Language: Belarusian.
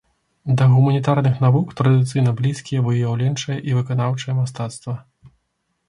Да гуманітарных навук традыцыйна блізкія выяўленчае і выканаўчае мастацтва.